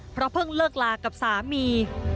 เพราะเพิ่งเลิกลากับสามี